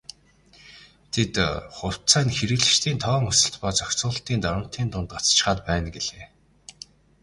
Тэд "хувьцаа нь хэрэглэгчдийн тоон өсөлт ба зохицуулалтын дарамтын дунд гацчихаад байна" гэлээ.